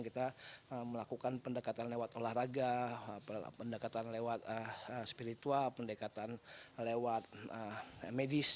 kita melakukan pendekatan lewat olahraga pendekatan lewat spiritual pendekatan lewat medis